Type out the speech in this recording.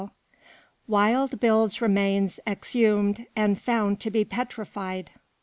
WILD BILL'S REMAINS EXHUMED AND FOUND TO BE PETRIFIED.